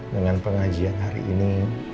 dengan pengajian hari ini